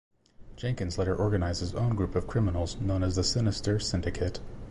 Jenkins later organized his own group of criminals known as the Sinister Syndicate.